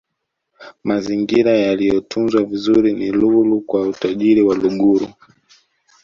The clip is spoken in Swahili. mazingira yaliyotunzwa vizuri ni lulu kwa utalii wa uluguru